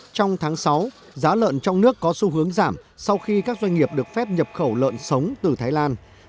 trong tháng sáu giá lợn trong nước có xu hướng giảm sau khi các doanh nghiệp được phép nhập khẩu lợn sống từ thái lan